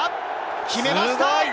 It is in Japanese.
決めました！